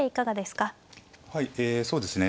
はいえそうですね